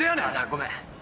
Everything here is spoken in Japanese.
ごめん。